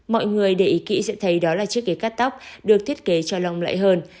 mọi người để ý kỹ sẽ thấy đó là chiếc ghế cắt tóc được thiết kế cho long lẹ hơn